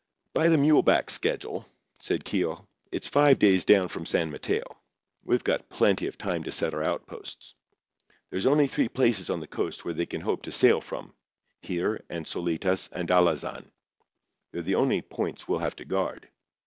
"By the mule back schedule," said Keogh, "it's five days down from San Mateo. We've got plenty of time to set our outposts. There's only three places on the coast where they can hope to sail from—here and Solitas and Alazan. They're the only points we'll have to guard.